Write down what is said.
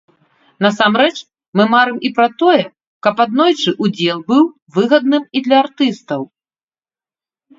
Насамрэч, мы марым і пра тое, каб аднойчы удзел быў выгадным і для артыстаў.